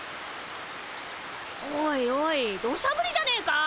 おいおいどしゃぶりじゃねえか。